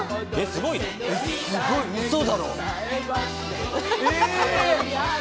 すごい嘘！